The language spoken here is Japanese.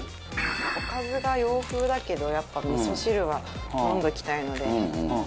おかずが洋風だけどやっぱ味噌汁は飲んでおきたいので。